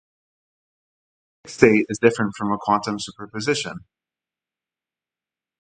A mixed state is different from a quantum superposition.